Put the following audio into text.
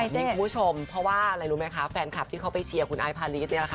อยู่แบบนี้กับผู้ชมเพราะว่ารู้มั้ยคะแฟนคับที่เขาไปเชียร์ของอายภารีสนี่นะคะ